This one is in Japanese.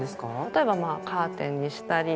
例えばカーテンにしたり。